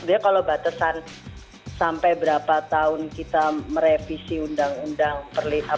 sebenarnya kalau batasan sampai berapa tahun kita merevisi undang undang perlindungan